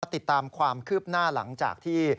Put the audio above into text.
ติดตามความคืบหน้าหลังจากที่